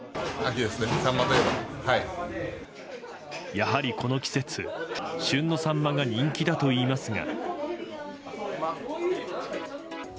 やはり、この季節旬のサンマが人気だといいますが。